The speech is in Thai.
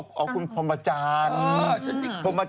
ถ้าคุณควรควรต้องการ